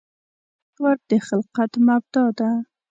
دا محور د خلقت مبدا ده.